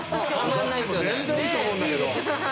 全然いいと思うんだけど。